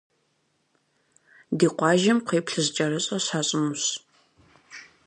Ди къуажэм кхъуейплъыжькӏэрыщӏэ щащӏынущ.